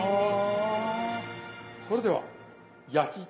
それでは焼き。